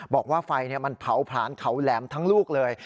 บอกว่าไฟมันเผาผลานเขาแหลมทั้งลูกเลย